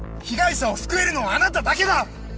被害者を救えるのはあなただけだ！